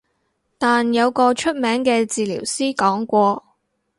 但有個出名嘅治療師講過